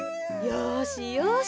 よしよし。